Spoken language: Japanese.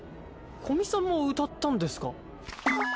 古見さんも歌ったんですか？